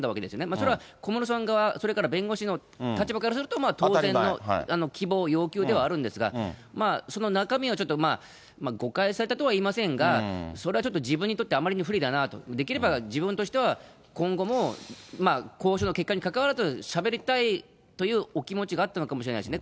それは小室さん側、それから弁護士の立場からすると、当然の希望、要求ではあるんですが、その中身はちょっと誤解されたとは言いませんが、それはちょっと自分にとって、あまりに不利だなと、できれば自分としては、今後も交渉の結果にかかわらず、しゃべりたいというお気持ちがあったのかもしれませんね。